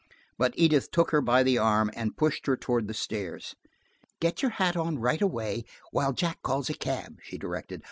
But Edith took her by the arm and pushed her toward the stairs. "Get your hat on right away, while Jack calls a cab," she directed.